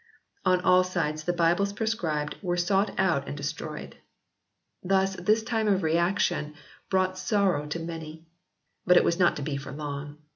On all sides the Bibles proscribed were sought out and destroyed. Thus this time of reaction brought sorrow to many. But it was not to be for long.